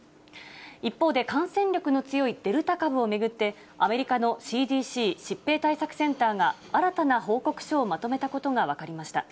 一方で、感染力の強いデルタ株を巡って、アメリカのＣＤＣ・疾病対策センターが、新たな報告書をまとめたことが分かりました。